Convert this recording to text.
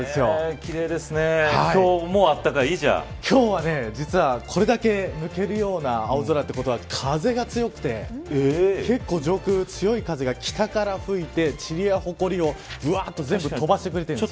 奇麗ですね今日もあっ今日は、実はこれだけ抜けるような青空ということは風が強くて、結構上空は強い風が北から吹いてちりやほこりを飛ばしてくれているんです。